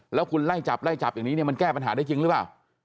แล้วคุณไล่จับอย่างนี้มันแก้ปัญหาได้จริงหรือเปล่า